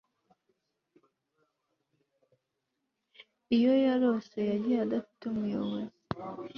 iyo yarose, yagiye adafite umuyobozi